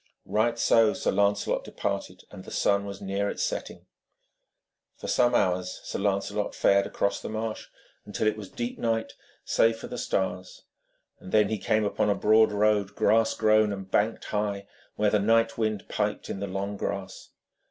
Right so, Sir Lancelot departed, and the sun was near its setting. For some hours Sir Lancelot fared across the marsh, until it was deep night, save for the stars; then he came upon a broad road, grass grown and banked high, where the night wind piped in the long grass.